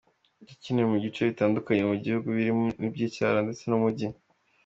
Yakiniwe mu bice bitandukanye by’igihugu birimo iby’icyaro ndetse n’umujyi.